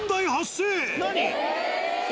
何？